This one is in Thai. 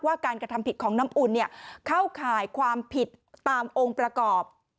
การกระทำผิดของน้ำอุ่นเข้าข่ายความผิดตามองค์ประกอบ